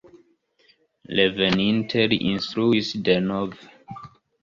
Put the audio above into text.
Reveninte li instruis denove.